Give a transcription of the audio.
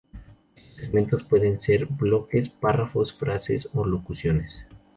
Estos segmentos pueden ser bloques, párrafos, frases, o locuciones.